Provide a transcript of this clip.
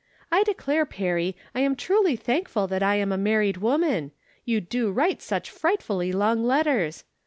I declare. Perry, I am truly thankful that I am a married woman ; you do write such frightfully long letters